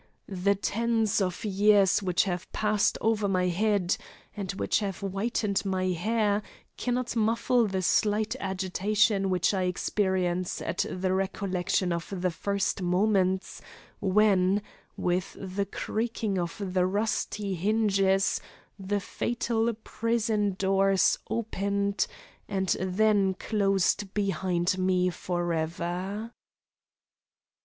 The tens of years which have passed over my head and which have whitened my hair cannot muffle the slight agitation which I experience at the recollection of the first moments when, with the creaking of the rusty hinges, the fatal prison doors opened and then closed behind me forever.